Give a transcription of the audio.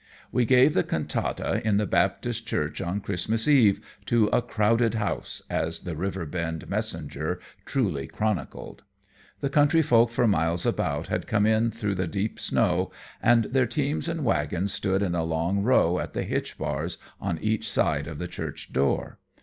We gave the cantata in the Baptist church on Christmas eve, "to a crowded house," as the Riverbend "Messenger" truly chronicled. The country folk for miles about had come in through a deep snow, and their teams and wagons stood in a long row at the hitch bars on each side of the church door.